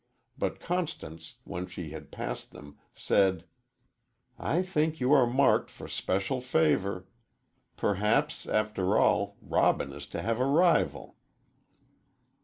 But Constance, when she had passed them, said: "I think you are marked for especial favor. Perhaps, after all, Robin is to have a rival."